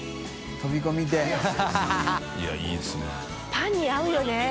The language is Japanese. パンに合うよね。